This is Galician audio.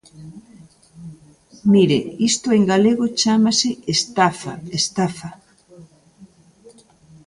Mire, isto en galego chámase estafa, ¡estafa!